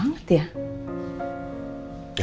nanti aku coba